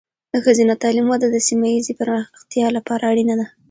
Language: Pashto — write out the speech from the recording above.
د ښځینه تعلیم وده د سیمه ایزې پرمختیا لپاره اړینه ده.